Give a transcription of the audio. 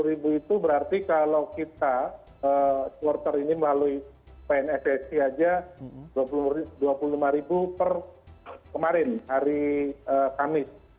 lima puluh ribu itu berarti kalau kita supporter ini melalui pnsfsi saja rp dua puluh lima ribu per kemarin hari kamis